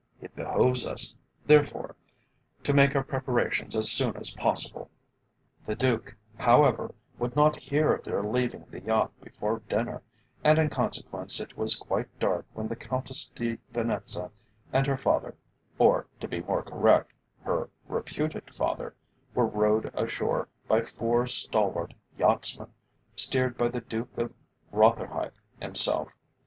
It behoves us, therefore, to make our preparations as soon as possible." The Duke, however, would not hear of their leaving the yacht before dinner, and in consequence it was quite dark when the Countess de Venetza and her father, or, to be more correct, her reputed father, were rowed ashore by four stalwart yachtsmen, steered by the Duke of Rotherhithe himself.